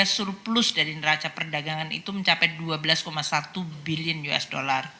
dua ribu dua puluh tiga surplus dari neraca perdagangan itu mencapai dua belas satu billion usd